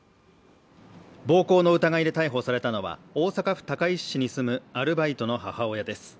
暴行の疑いで逮捕されたのは、大阪府高石市に住むアルバイトの母親です。